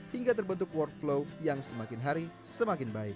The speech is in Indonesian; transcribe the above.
hingga terbentuk workflow yang semakin hari semakin baik